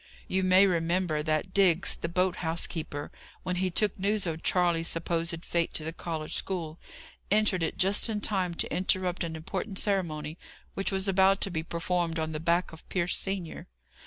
You may remember that Diggs, the boat house keeper, when he took news of Charles's supposed fate to the college school, entered it just in time to interrupt an important ceremony, which was about to be performed on the back of Pierce senior.